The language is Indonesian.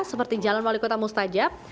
seperti jalan wali kota mustajab